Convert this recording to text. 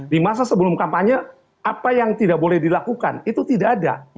di masa sebelum kampanye apa yang tidak boleh dilakukan itu tidak ada